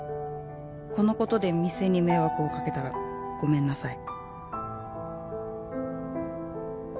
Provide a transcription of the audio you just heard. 「このことで店に迷惑をかけたらごめんなさい」